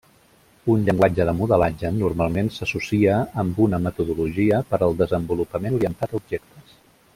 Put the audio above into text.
Un llenguatge de modelatge normalment s’associa amb una metodologia per al desenvolupament orientat a objectes.